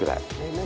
何？